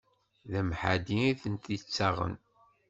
D amḥaddi itent-ittaɣen!